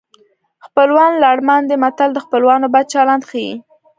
خپلوان لړمان دي متل د خپلوانو بد چلند ښيي